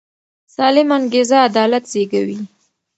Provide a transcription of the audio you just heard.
سالمه انګیزه عدالت زېږوي